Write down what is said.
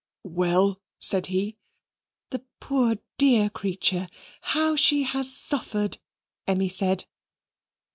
"Well?" said he. "The poor dear creature, how she has suffered!" Emmy said.